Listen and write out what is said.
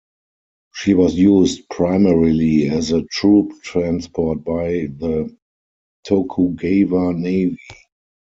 She was used primarily as a troop transport by the Tokugawa Navy.